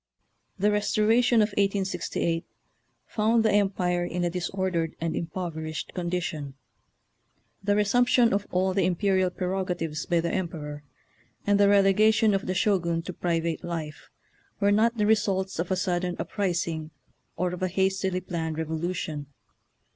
The Restoration of 1868 found the em pire in a disordered and impoverished condition. The resumption of all the imperial prei*ogatives by the Emperor, and the relegation of the Shogun to pri vate life, were not the results of a sudden uprising or of a hastily planned revolu tion.